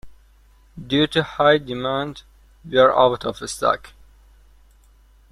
Due to high demand, we are out of stock.